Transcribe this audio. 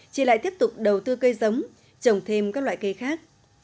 chị lại tiếp tục đầu tư cây giống trồng thêm các loại cây khác